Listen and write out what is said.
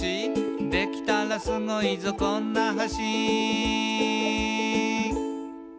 「できたらスゴいぞこんな橋」